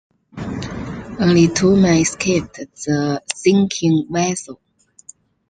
Only two men escaped the sinking vessel.